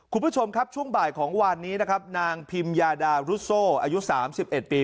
คุณผู้ชมครับช่วงบ่ายของวานนี้นะครับนางพิมยาดารุโซ่อายุ๓๑ปี